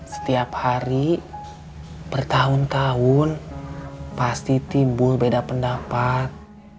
setiap hari bertahun tahun pasti timbul beda pendapat